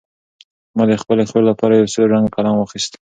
ما د خپلې خور لپاره یو سور رنګه قلم واخیست.